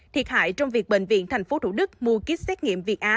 thiệt hại trong việc bệnh viện tp thủ đức mua kýt xét nghiệm việt á